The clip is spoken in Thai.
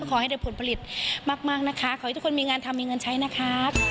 ขอให้ได้ผลผลิตมากนะคะขอให้ทุกคนมีงานทำมีเงินใช้นะครับ